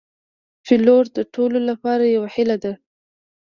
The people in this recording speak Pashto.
پیلوټ د ټولو لپاره یو هیله ده.